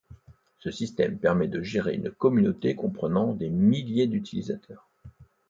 Ce système permet de gérer une communauté comprenant des milliers d'utilisateurs.